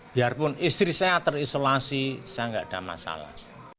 biarpun istri saya terisolasi saya nggak ada masalah